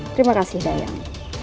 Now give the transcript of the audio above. terima kasih dayang